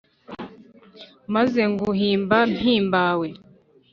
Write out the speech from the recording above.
maze nguhimba mpimbawe